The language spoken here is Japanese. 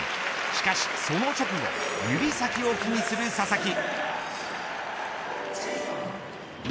しかしその直後指先を気にする佐々木。